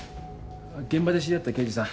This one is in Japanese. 現場で知り合った刑事さん